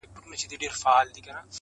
له هغه وخته مو خوښي ليدلې غم نه راځي.